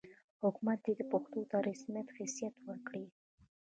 حکومت دې پښتو ته رسمي حیثیت ورکړي.